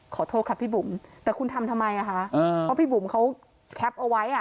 ขอโทษครับพี่บุ๋มแต่คุณทำทำไมอ่ะคะเพราะพี่บุ๋มเขาแคปเอาไว้อ่ะ